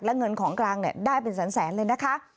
และเงินของกลางได้เป็นแสนเลยนะคะ